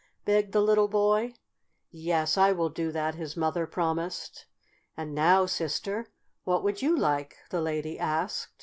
begged the little boy. "Yes, I will do that," his mother promised. "And now, Sister, what would you like?" the lady asked.